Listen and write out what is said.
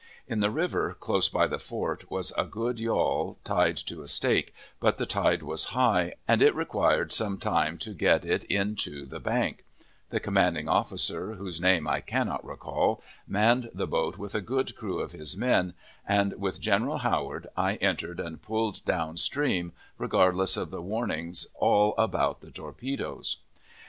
In the river, close by the fort, was a good yawl tied to a stake, but the tide was high, and it required some time to get it in to the bank; the commanding officer, whose name I cannot recall, manned the boat with a good crew of his men, and, with General Howard, I entered, and pulled down stream, regardless of the warnings all about the torpedoes.